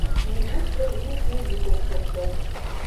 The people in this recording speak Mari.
Нигушто лӱйылтмӧ йӱк ок шокто.